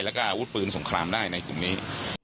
แล้วก็อาวุธปืนสงครามได้ในกลุ่มนี้